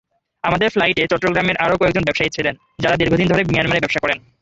আমাদের ফ্লাইটে চট্টগ্রামের আরও কয়েকজন ব্যবসায়ী ছিলেন, যাঁরা দীর্ঘদিন ধরে মিয়ানমারে ব্যবসা করেন।